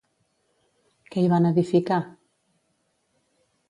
Què hi van edificar?